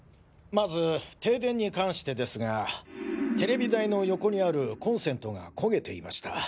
まず停電に関してですがテレビ台の横にあるコンセントが焦げていました。